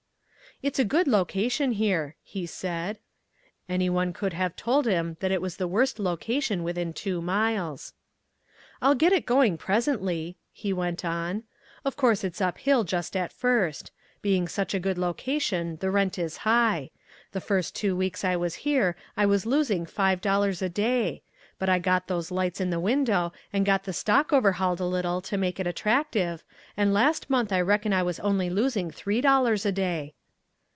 "It's a good location here," he said. Any one could have told him that it was the worst location within two miles. "I'll get it going presently," he went on. "Of course it's uphill just at first. Being such a good location the rent is high. The first two weeks I was here I was losing five dollars a day. But I got those lights in the window and got the stock overhauled a little to make it attractive and last month I reckon I was only losing three dollars a day."